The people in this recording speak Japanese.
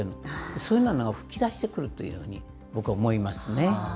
そういうのがふきだしてくるというふうに僕は思いますね。